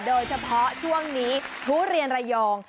โดยเฉพาะช่วงนี้ทุเรียนระยอง